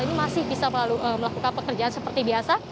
ini masih bisa melakukan pekerjaan seperti biasa